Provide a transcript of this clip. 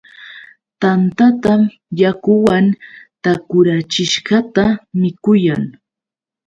Tantatam yakuwan takurachishqata mikuyan.